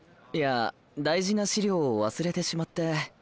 いや大事な資料を忘れてしまって。